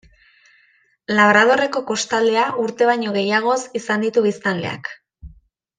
Labradorreko kostaldea urte baino gehiagoz izan ditu biztanleak.